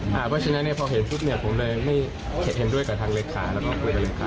ไม่เคยเห็นด้วยกับทางเลขาแล้วก็คุณผู้เป็นเลขา